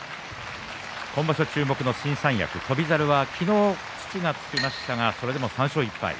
今場所、注目の新三役翔猿は昨日、土がつきましたがそれでも３勝１敗。